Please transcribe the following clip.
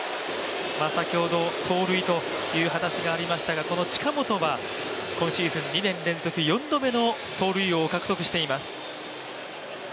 先ほど、盗塁という話がありましたがこの近本は今シーズン２年連続４度目の盗塁王を獲得しています。